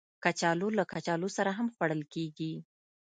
کچالو له کچالو سره هم خوړل کېږي